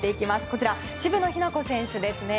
こちら、渋野日向子選手ですね。